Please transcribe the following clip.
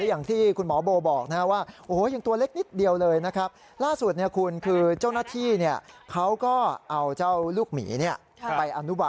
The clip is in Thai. อย่างที่คุณหมอโบบอกว่าโอ้โหยังตัวเล็กนิดเดียวเลยนะครับ